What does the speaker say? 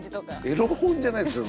エロ本じゃないですよ